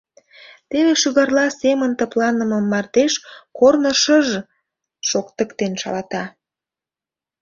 Теве шӱгарла семын тыпланымым мардеж корно шыж-ж шоктыктен шалата.